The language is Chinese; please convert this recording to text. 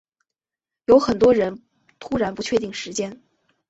有很多人突然不确定时间